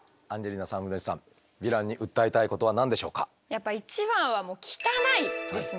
やっぱ一番は「汚い」ですね